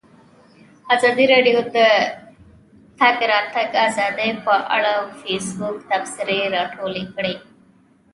ازادي راډیو د د تګ راتګ ازادي په اړه د فیسبوک تبصرې راټولې کړي.